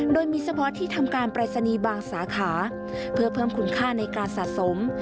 โดยมีเฉพาะที่ทำการปรายศนีย์บางสาขาเพื่อเพิ่มคุณค่าในการสะสม